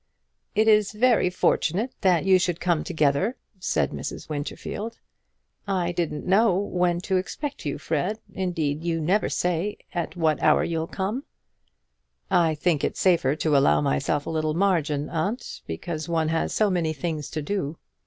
"It is very fortunate that you should come together," said Mrs. Winterfield. "I didn't know when to expect you, Fred. Indeed, you never say at what hour you'll come." "I think it safer to allow myself a little margin, aunt, because one has so many things to do."